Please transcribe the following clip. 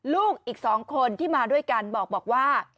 ลูกอีก๒คนที่มาด้วยกันบอกว่า